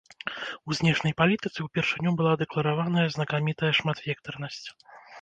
У знешняй палітыцы ўпершыню была дэклараваная знакамітая шматвектарнасць.